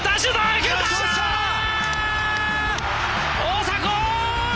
大迫！